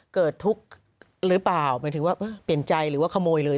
เกิดทุกข์หรือเปล่าหมายถึงว่าเปลี่ยนใจหรือว่าขโมยเลย